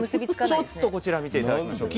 ちょっとこちら見て頂きましょう。